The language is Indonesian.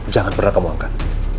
jangan pernah kamu angkat